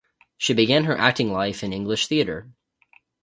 She began her acting life in English theatre.